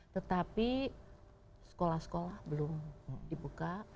tetapi sekolah sekolah belum dibuka